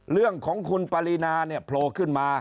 เรื่องของคุณปรินาเนี่ยโผล่ขึ้นมา